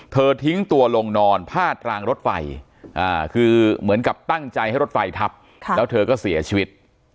ทิ้งตัวลงนอนพาดรางรถไฟคือเหมือนกับตั้งใจให้รถไฟทับแล้วเธอก็เสียชีวิต